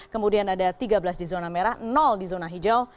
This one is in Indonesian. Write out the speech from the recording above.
kemudian ada tiga belas di zona merah di zona hijau